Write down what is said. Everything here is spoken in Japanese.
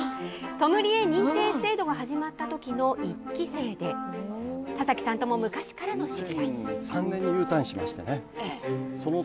ソムリエ認定制度が始まったときの１期生で、田崎さんとも昔からの知り合い。